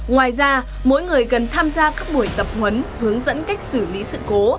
ngoài ra mỗi người cần tham gia các buổi tập huấn hướng dẫn cách xử lý sự cố